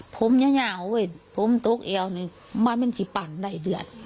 ผมย้าเว้ยผมต้นแอวมึงบู่ะเป็นชิปันใดเดือด